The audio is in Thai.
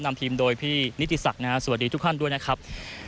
นำทีมโดยพี่นิติศักรณ์สวัสดีทุกคนด้วยนะครับ